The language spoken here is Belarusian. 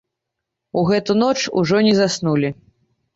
У гэту ноч ужо не заснулі.